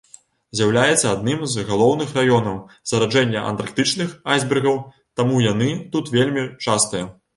З'яўляецца адным з галоўных раёнаў зараджэння антарктычных айсбергаў, таму яны тут вельмі частыя.